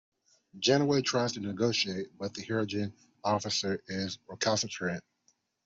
Janeway tries to negotiate but the Hirogen officer is recalcitrant.